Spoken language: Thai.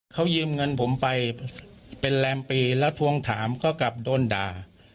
เขายืมเงินผมไปเป็นแรมปีแล้วทวงถามก็กลับโดนด่า